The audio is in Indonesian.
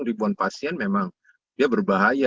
di pun pasien memang dia berbahaya